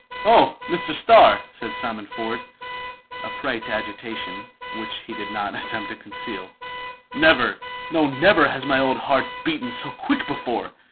"Oh! Mr. Starr," said Simon Ford, a prey to agitation, which he did not attempt to conceal, "never, no, never has my old heart beaten so quick before!